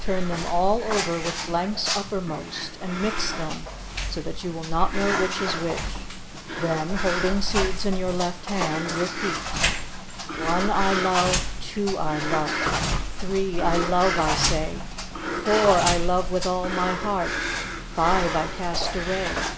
Turn them all over with blanks uppermost and mix them so that you will not know which is which; then, holding seeds in your left hand; repeat: "One I love, Two I love, Three I love I say; Four I love with all my heart Five I cast away.